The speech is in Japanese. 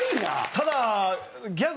ただ。